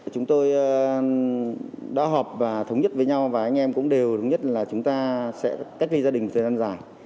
chúng tôi đã họp và thống nhất với nhau và anh em cũng đều đúng nhất là chúng ta sẽ cách gây gia đình một thời gian dài